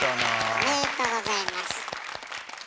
おめでとうございます。